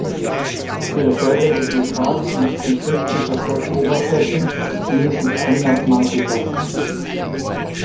Für dasselbe Resultat müssten künstlich erzeugte Oberflächen mindestens einhundert Mal dicker sein.